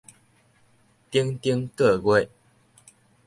頂頂個月